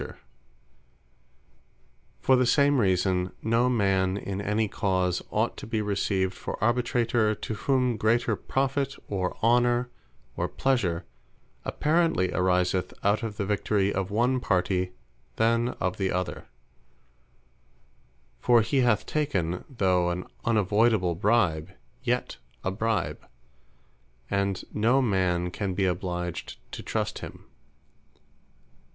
The Eighteenth, No Man To Be Judge, That Has In Him Cause Of Partiality For the same reason no man in any Cause ought to be received for Arbitrator, to whom greater profit, or honour, or pleasure apparently ariseth out of the victory of one party, than of the other: for he hath taken (though an unavoydable bribe, yet) a bribe; and no man can be obliged to trust him.